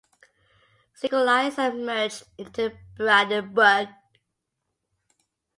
Secularized and merged into Brandenburg.